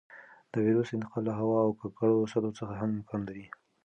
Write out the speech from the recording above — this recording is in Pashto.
د وېروس انتقال له هوا او ککړو سطحو څخه هم امکان لري.